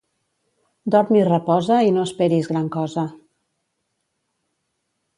Dorm i reposa i no esperis gran cosa.